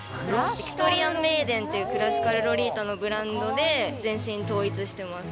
ビクトリアメイデンっていうクラシカルロリータのブランドで全身統一しています。